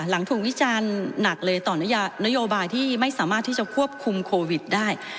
หลังถูกวิจารณ์หนักเลยต่อนโยบายที่ไม่สามารถที่จะควบคุมโควิดได้